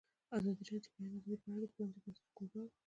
ازادي راډیو د د بیان آزادي په اړه د پرانیستو بحثونو کوربه وه.